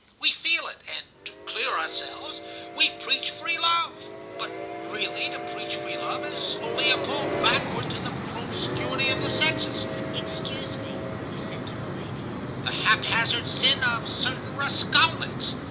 We feel it, and, to clear ourselves, we preach free love; but, really, to preach free love is only a call backward to the promiscuity of the sexes (excuse me, he said to the lady), the haphazard sin of certain raskolniks.